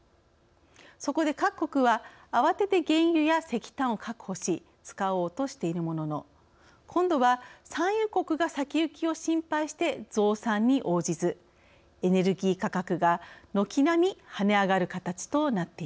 そこで各国は慌てて原油や石炭を確保し使おうとしているものの今度は産油国が先行きを心配して増産に応じずエネルギー価格が軒並み跳ね上がる形となっています。